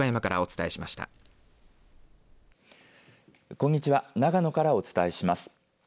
こんにちは長野からお伝えします。